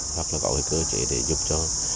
hoặc là có cơ chế để giúp cho